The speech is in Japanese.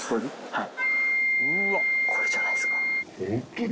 はい。